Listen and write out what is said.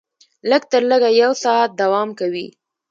لږ تر لږه یو ساعت دوام کوي.